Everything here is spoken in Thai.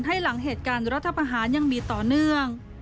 ให้หลังเหตุการณ์รัฐประหารยังมีต่อเนื่อง